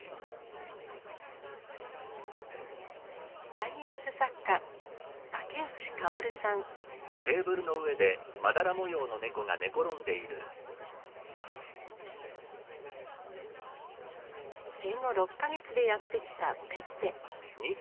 ・サイエンス作家生後６か月でやって来た